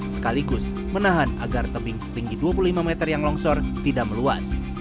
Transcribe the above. sekaligus menahan agar tebing setinggi dua puluh lima meter yang longsor tidak meluas